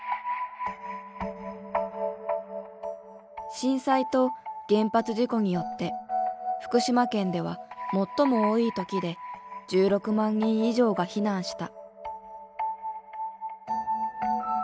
震災と原発事故によって福島県では最も多い時で１６万人以上が避難した。